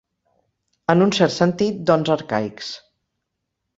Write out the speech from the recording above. En un cert sentit, dons arcaics.